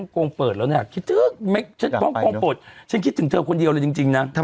ก็ขอทุกช่วงไปชุดอะไรดีนะ